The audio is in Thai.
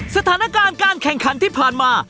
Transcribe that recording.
สถานการณ์การแข่งขันที่ผ่านมา